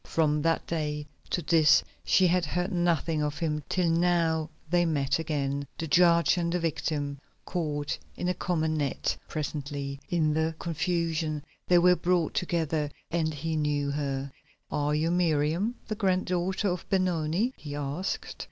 From that day to this she had heard nothing of him till now they met again, the judge and the victim, caught in a common net. Presently, in the confusion they were brought together and he knew her. "Are you Miriam, the grand daughter of Benoni?" he asked.